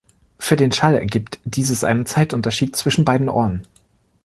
Für den Schall ergibt dieses einen Zeitunterschied zwischen beiden Ohren.